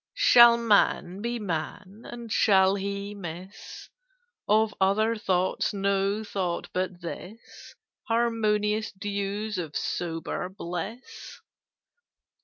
"Shall Man be Man? And shall he miss Of other thoughts no thought but this, Harmonious dews of sober bliss?